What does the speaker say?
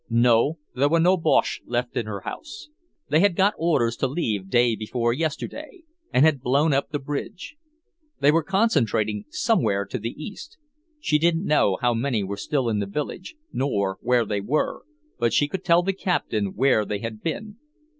No, there were no Boches left in her house. They had got orders to leave day before yesterday, and had blown up the bridge. They were concentrating somewhere to the east. She didn't know how many were still in the village, nor where they were, but she could tell the Captain where they had been.